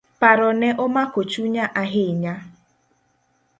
Paro ne omako chunya ahinya.